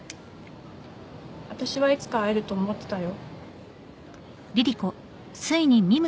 私はいつか会えると思ってたよ